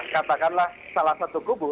katakanlah salah satu kubu